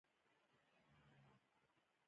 خو د دوي مخالفينو د دوي د لبرل